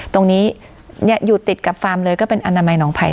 ตรงนี้อยู่ติดกับฟาร์มเลยก็เป็นอนามัยหนองไผ่